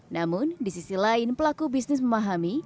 namun di sisi lain pelaku bisnis memahami